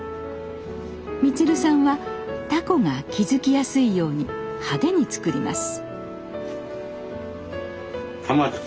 充さんはタコが気付きやすいように派手に作ります。